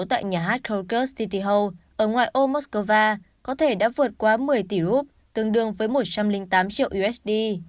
tại nhà hát korkus tithiho ở ngoài ô moscow có thể đã vượt qua một mươi tỷ rup tương đương với một trăm linh tám triệu usd